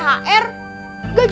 gajahnya gak ada